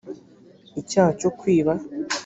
icyaha cyo kwiba